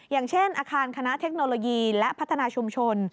อย่างเช่นอาคารคณะเทคโนโลยีและพัฒนาชุมชน